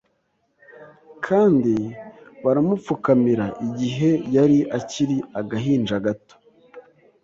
kandi baramupfukamira, igihe yari akiri agahinja gato